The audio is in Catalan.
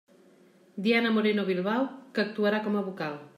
Diana Moreno Bilbao, que actuarà com a vocal.